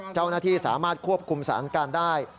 เจ้าหน้าที่สามารถควบคุมสถานการณ์ได้